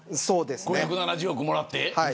５７０億もらって。